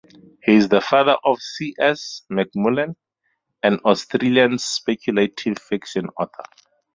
He is the father of C. S. McMullen, an Australian speculative fiction author.